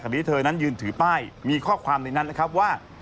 ที่เธอนั้นยืนถือป้ายมีข้อความในนั้นนะครับว่า